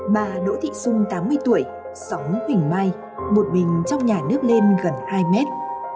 bà đỗ thị xuân tám mươi tuổi sống huỳnh mai một mình trong nhà nước lên gần hai mét